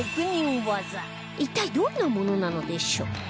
一体どんなものなのでしょう？